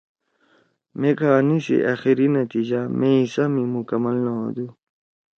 مے کہانی سی آخری نتیجہ مے حصہ می مکمل نہ ہُودُو۔